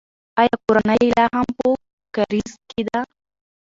آیا کورنۍ یې لا هم په کارېز کې ده؟